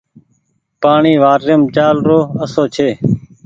پآڻيٚ واٽريم چآلرو آسو ڇي